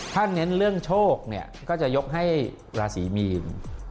ถ้าเน้นเรื่องโชคเนี่ยก็จะยกให้ราศีมีน